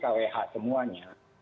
seratus kwh semuanya